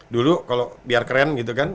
dulu kalau biar keren gitu kan